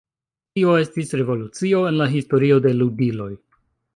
Tio estis revolucio en la historio de ludiloj.